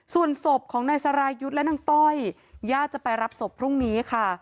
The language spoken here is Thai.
ส่วนศพของนายสรายุทธ์และนางต้อยญาติจะไปรับศพพรุ่งนี้ค่ะ